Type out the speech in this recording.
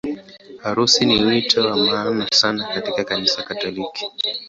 Harusi ni wito wa maana sana katika Kanisa Katoliki.